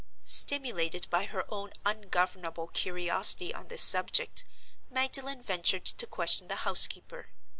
Stimulated by her own ungovernable curiosity on this subject, Magdalen ventured to question the housekeeper.